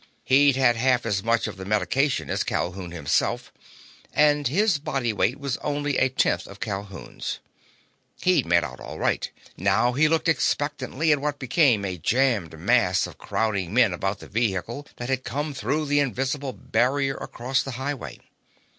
He'd had half as much of the medication as Calhoun himself, and his body weight was only a tenth of Calhoun's. He'd made out all right. Now he looked expectantly at what became a jammed mass of crowding men about the vehicle that had come through the invisible barrier across the highway.